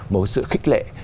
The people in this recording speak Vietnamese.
một sự khích lệ